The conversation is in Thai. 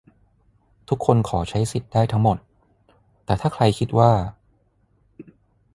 ทุกคนขอใช้สิทธิ์ได้ทั้งหมด แต่ถ้าใครคิดว่า